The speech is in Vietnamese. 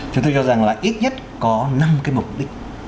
chúng tôi cho rằng là ít nhất có năm cái mục đích